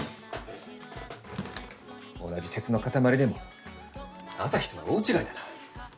同じ鉄の塊でもあさひとは大違いだな。